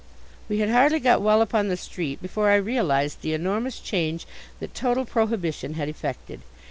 We had hardly got well upon the street before I realized the enormous change that total prohibition had effected.